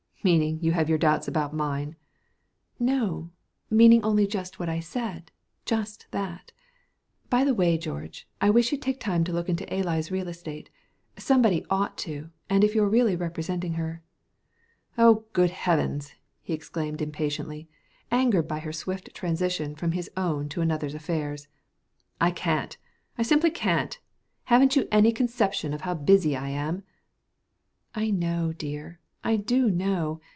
"Meaning, you have your doubts about mine." "No, meaning only just what I said just that. By the way, George, I wish you'd take time to look into Alys' real estate. Somebody ought to, and if you're really representing her " "Oh, good heavens!" he exclaimed impatiently, angered by her swift transition from his own to another's affairs. "I can't! I simply can't! Haven't you any conception of how busy I am?" "I know, dear; I do know.